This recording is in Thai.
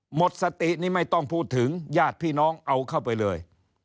หมดสตินี่ไม่ต้องพูดถึงญาติพี่น้องเอาเข้าไปเลย